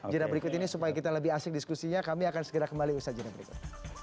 jadwal berikut ini supaya kita lebih asik diskusinya kami akan segera kembali usaha jenah berikut